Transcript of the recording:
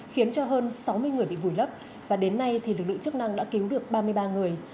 khiến cho hơn sáu mươi người bị vùi lấp và đến nay lực lượng chức năng đã cứu được ba mươi ba người